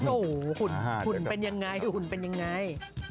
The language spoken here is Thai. โอ้โฮหุ่นเป็นอย่างไรหุ่นเป็นอย่างไร